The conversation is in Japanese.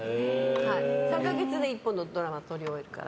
３か月で１個のドラマ撮り終えるから。